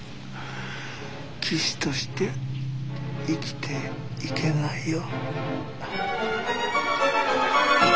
騎手として生きていけないよ。